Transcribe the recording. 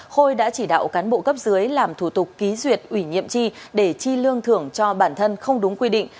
khôi đã chỉ đạo cán bộ cấp dưới làm thủ tục ký duyệt ủy nhiệm tri để chi lương thưởng cho bản thân không đúng quy định